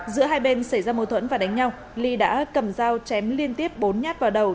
giữa hai bên xảy ra mâu thuẫn và đánh nhau ly đã cầm dao chém liên tiếp bốn nhát vào đầu